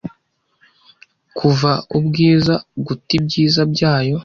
kuva ubwiza guta ibyiza byayo